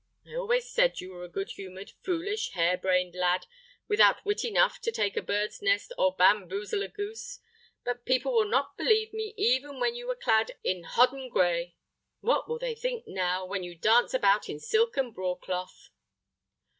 I always said you were a good humored, foolish, hair brained lad, without wit enough to take a bird's nest or bamboozle a goose; but people would not believe me, even when you were clad in hodden gray. What will they think now, when you dance about in silk and broadcloth?"